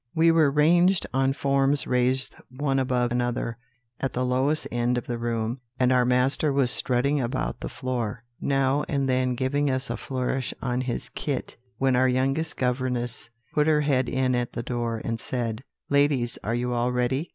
"We were ranged on forms raised one above another, at the lowest end of the room, and our master was strutting about the floor, now and then giving us a flourish on his kit, when our youngest governess put her head in at the door, and said: "'Ladies, are you all ready?